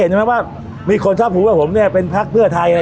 เห็นไหมว่ามีคนชอบหูว่าผมเนี่ยเป็นพักเพื่อไทย